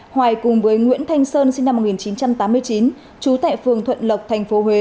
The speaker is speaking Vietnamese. hoài cùng với nguyễn thanh sơn sinh năm một nghìn chín trăm tám mươi chín trú tại phường thuận lộc tp huế